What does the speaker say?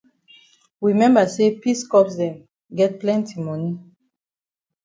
We memba say peace corps dem get plenti moni.